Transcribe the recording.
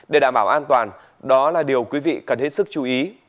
để đảm bảo an toàn đó là điều quý vị cần hết sức chú ý